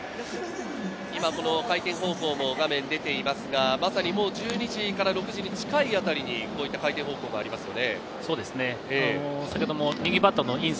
回転方向も画面に出ていますが、１２時から６時に近いあたりに回転方向がありますね。